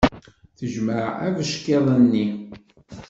Tejmeɛ abeckiḍ-nni.